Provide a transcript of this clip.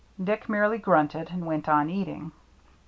Dick merely grunted, and went on eating.